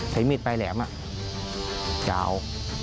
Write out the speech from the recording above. ใช้มิดไปแหลมกล่าว